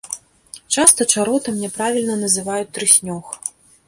Часта чаротам няправільна называюць трыснёг.